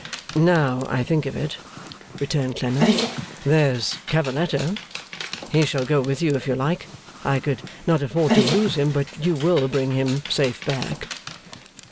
'Now I think of it,' returned Clennam, 'there's Cavalletto. He shall go with you, if you like. I could not afford to lose him, but you will bring him safe back.